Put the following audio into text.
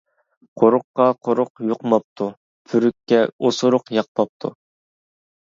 قۇرۇققا قۇرۇق يۇقماپتۇ پۈرۈككە ئوسۇرۇق ياقماپتۇ.